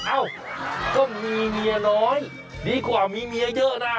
เอ้าก็มีเมียน้อยดีกว่ามีเมียเยอะนะ